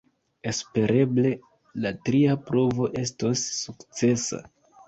Espereble la tria provo estos sukcesa.